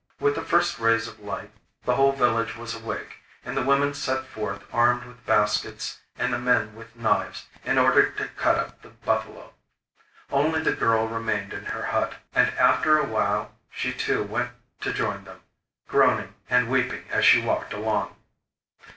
With the first rays of light the whole village was awake, and the women set forth armed with baskets and the men with knives in order to cut up the buffalo. Only the girl remained in her hut; and after a while she too went to join them, groaning and weeping as she walked along.